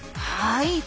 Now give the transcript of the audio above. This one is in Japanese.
はい。